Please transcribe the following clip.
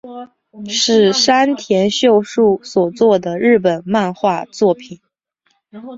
是山田秀树所作的日本漫画作品。